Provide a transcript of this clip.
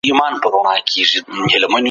دوی بايد د کوربه هېواد قوانينو ته درناوی وکړي.